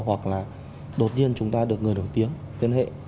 hoặc là đột nhiên chúng ta được người nổi tiếng liên hệ